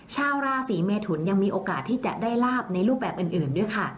ชาวราศีเมทุนยังมีโอกาสที่จะได้ลาบในรูปแบบอื่นด้วยค่ะ